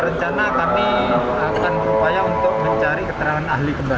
rencana kami akan berupaya untuk mencari keterangan ahli kembali